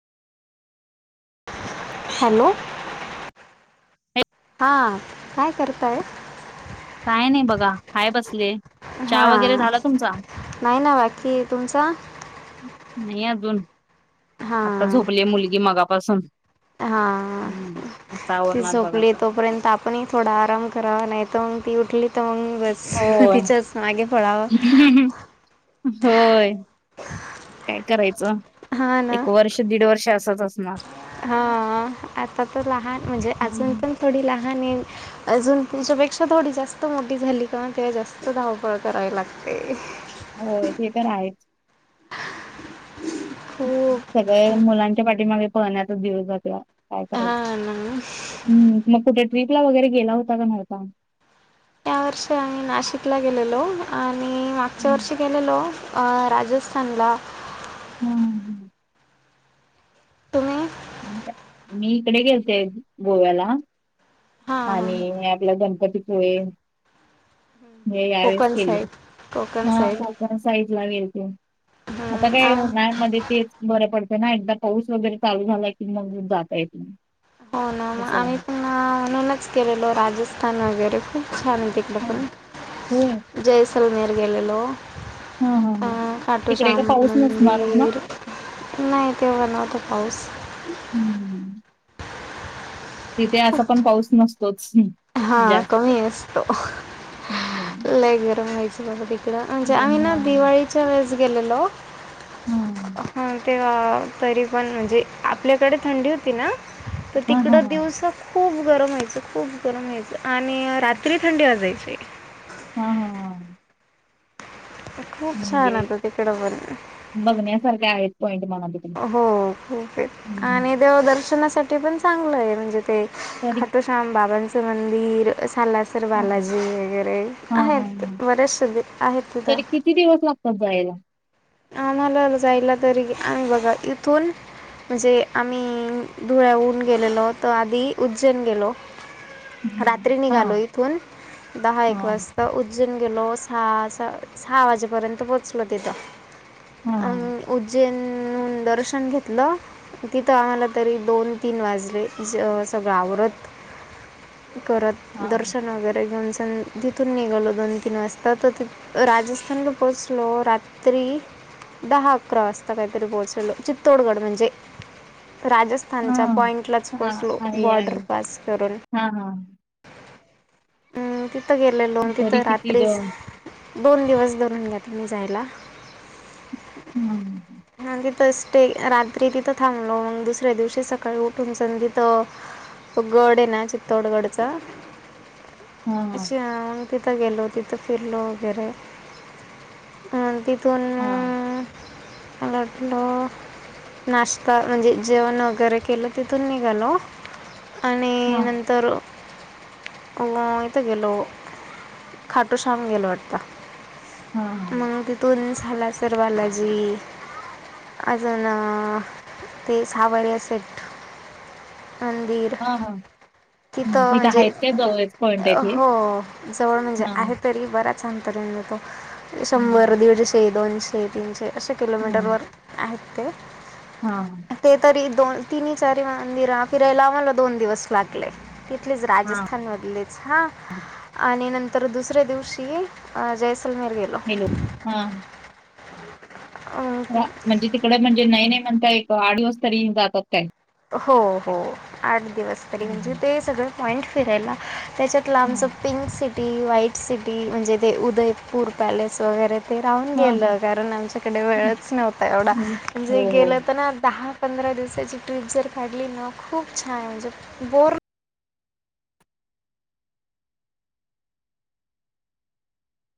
Hello हां काय करताय काय नाही बघा हाय बसले हा चहा वगैरे झाला तुमचा? नाही ना बाकी तुमच नाही अजून आता झोपली आहे मुलगी मगापासून हा हम्म आता ती आवरणार बघा झोपली सगळं. तोपर्यंत आप पण थोडा आराम करावा नाही तर मग ती उठली तर मग बस होय तिच्याच मागे पळावं होय काय करायचं हां एक वर्ष दीड वर्ष असच असणार हा आता तर लहान म्हणजे अजून पण थोडी लहान आहे अजून तुमच्यापेक्षा थोडी जास्त मोठी झाली का तेव्हा जास्त धावपळ करावी लागते होय ते तर आहेच खूप सगळे मुलांच्या पाठीमागे पळण्यातच दिवस जातोय काय करायचं हां ना हम्म मग कुठे ट्रीपला वगैरे गेला होता का नव्हता या वर्षी आम्ही नाशिकला गेलेलो आणि मागच्या वर्षी गेलेलो अ राजस्थानला हम्म तुम्ही मी इकडे गेलते गोव्याला हां हां आणि हे आपल गणपतीपुळे हे यावेेळेस कोकण केले साईड कोकण हा साईड कोकण साईड ला गेलते आता हं, काय आम उन्हाळ्यामध्ये तेच बरे पडते ना एकदा पाऊस वगैरे चालू झालाय की मग जाता येत नाही हो ना मग असं आम्ही आहे. पण ना म्हणूनच गेलेलो राजस्थान वगैरे खूप छान होते हा. होय बापरे जैसलमेर गेलेलो हा हा हा अं खाटु तिकडे का शाम पाऊस नसणारच ना? मंदीर नाही तेव्हा नव्हता पाऊस हम्म. तिथे असा पण पाऊस नसतोच. हा जास्त. कमी असतो, हम्म लय गरम व्हायच बाबा तिक- ड म्हणजे आम्ही तिकडून, ना हा दिवाळीच्या वेळेस गेलेलो हा हम्म ते हा तरी पण म्हणजे आपल्याकडे थंडी होती ना, तर हा हा तिकडं हा दिवस- खूप गरम व्हायचं, खूप गरम व्हायचं आणि रात्री थंडी वाजायची. हा हा हा. खूप छान म्हणजे होत तिकडं बर. बघण्यासारखे आहेत पॉईंट म्हणा ती. हो खूप आहेत, आणि देव दर्शनासाठी पण चांगलं आहे म्हणजे ते तरी खाटू श- शाम बाबांचं मंदिर सला- तर हा बालाजी वगैरे हा हा आहेत हा. बरेचसे दे आहेत तिथं. तरी किती दिवस लागतात जायला? आम्हाला जायला तरी, आम्ही बघा इथून म्हणजे आम्ही धुळ्याऊन गेलेलो तर आधी उज्जैन गेलो. [inaudible] हम्म. रात्री हा निघालो इथून दहा हा एक वाज ता उज्जैन गेलो सहा- सहा- सहा वाजेपर्यंत पोहोचलो तिथं. हा. उज्जैन न दर्शन घेतलं. तिथं आम्हाला तरी दोन-तीन वाजले स सगळं आवरत. करत हा दर्शन वगैरे घेऊन तिथून निघालो दोन-तीन वाजता तर तिथ राजस्थानला पोहोचलो रात्री दहा-अकरा वाजता काहीतरी पोहोचलो चित्तोडगड म्हणजे राजस्थान स्थान हा च्या पॉईंटलाच हा पोचलो आहे आहे बॉर्डर पास करून. हा हा अं, तिथं गेलेलो अन् तरी तिथं किती द रात्रीच दोन दिवस धरून घेत मी जायला. [inaudible] हम्म. मग तिथेच स्टे रात्री तिथं थांबलो मग दुसऱ्या दिवशी सकाळी उठून तिथ तो गड आहे ना चित्तोडगडचा, हा हा अच्छा! तिथं गेलो तिथं फिरलो वगैरे, मग तिथून हा मग- उठलो, - नाश्ता म्हणजे जेवण वगैरे केलं तिथून निघालो. आणि हा नंतर अ इथं गेलो, खाटो शाम गेलो वाटत. मग तिथून झाला सर्वाला जी. अजून ते सावरिया सेट. मंदीर, - हा हां तिथ म्हणजे, पॉइंट आहे ते हो जवळ म्हणजे हा आहेत. तरी बराच अंतर आहे ना तो ह शंभर, दीडशे, दोनशे, तीनशे अशे किलोमीटरवर आहेत ते. हा हा. ते तरी दोन, तिन्ही, चारी मंदिर फिरायला आम्हाला दोन दिवस लागले. तिथलेच हा राजस्थान मधलेच हा आणि नंतर तर दुसऱ्या दिवशी जैसलमेर गेलो. हॅलो. हा. म्हणजे तिकड म्हणजे नाही नाही म्हणता एक आठ दिवस तरी जातात काय? हो हो आठ दिवस तरी. म्हणजे हम्म, ते सगळं पॉइंट फिरायला त्याच्यात लांबच हम्म, पिंक सिटी, व्हाईट सिटी, म्हणजे ते उदयपूर पॅलेस वगैरे ते राहून हा हा गेलं. कारण आमच्याकडे वेळच नव्हता एवढा. हम्म, हो म्हणजे हो गेलं तर ना, दहा पंधरा दिवसाची ट्रीप जर काढली ना, खूप छान. म्हणजे बोर